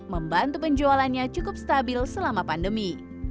membantu penjualannya cukup stabil selama pandemi